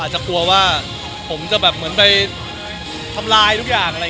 อาจจะกลัวว่าผมจะไปทำลายทุกอย่าง